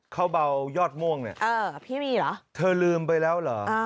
เขาเบายอดม่วงเนี่ยเออพี่มีเหรอเธอลืมไปแล้วเหรอ